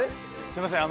すみません